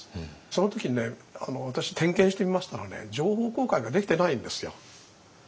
その時にね私点検してみましたらね情報公開ができてないんですよ。